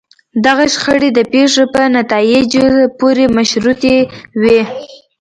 دغه شخړې د پېښو په نتایجو پورې مشروطې وي.